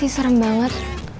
sumpah sih serem banget